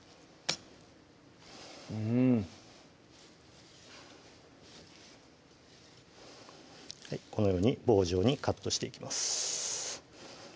うんこのように棒状にカットしていきます